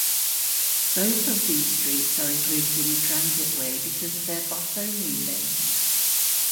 Both of these streets are included in the transitway because of their bus-only lanes.